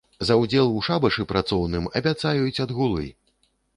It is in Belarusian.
За ўдзел у шабашы працоўным абяцаюць адгулы.